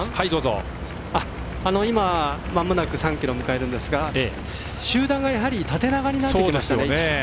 まもなく３ｋｍを迎えるんですが集団がやはり縦長になってきました。